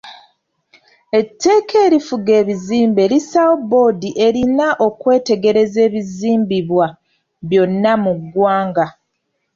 Etteeka erifuga ebizimbe lissaawo bboodi erina okwetegereza ebizimbibwa byonna mu ggwanga.